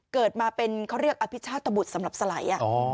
เกิดมาเป็นเขาเรียกอภิชาตบุตรสำหรับสไหล